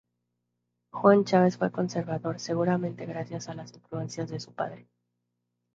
Juan Chávez fue conservador seguramente gracias a la influencia de su padre.